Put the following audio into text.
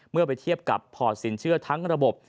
เมื่อไปเทียบกับพอร์ตสินเชื่อทั้งระบบ